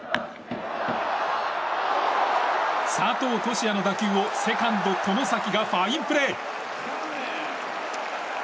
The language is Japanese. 佐藤都志也の打球をセカンド、外崎がファインプレー。